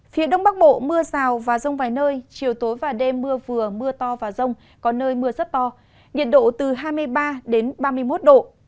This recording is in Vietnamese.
phía đông bắc bộ mưa rào và rông vài nơi chiều tối và đêm mưa vừa mưa to và rông có nơi mưa rất to nhiệt độ từ hai mươi ba ba mươi một độ